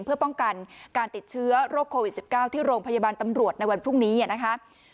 เพื่อป้องกันการติดเชื้อโรคโควิด๑๙ที่โรงพยาบาลตำรวจในวันพรุ่งนี้นะคะ